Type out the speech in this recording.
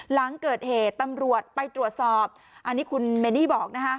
หลังเกิดเหตุตำรวจไปตรวจสอบอันนี้คุณเมนี่บอกนะคะ